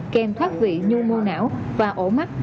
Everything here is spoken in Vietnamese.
kèm thoát vị nhu mưu não và ổ mắt